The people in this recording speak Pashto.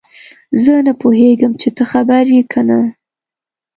زه نه پوهیږم چې ته خبر یې که نه